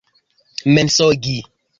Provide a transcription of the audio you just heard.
mensogi